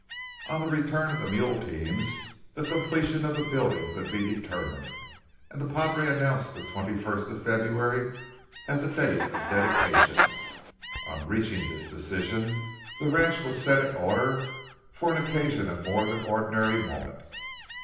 On the return of the mule teams, the completion of the building could be determined, and the padre announced the twenty first of February as the date of dedication. On reaching this decision, the ranch was set in order for an occasion of more than ordinary moment.